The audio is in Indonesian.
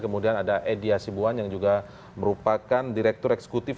kemudian ada edi asibuan yang juga merupakan direktur eksekutif